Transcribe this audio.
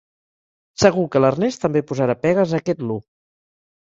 Segur que l'Ernest també posarà pegues a aquest “lo”.